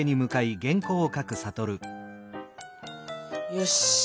よし！